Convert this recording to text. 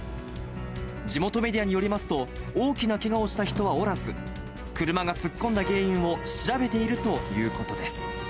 地元メディアによりますと、大きなけがをした人はおらず、車が突っ込んだ原因を調べているということです。